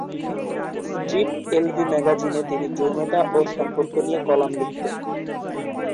Strip L V ম্যাগাজিনে তিনি যৌনতা ও সম্পর্ক নিয়ে কলাম লিখতেন।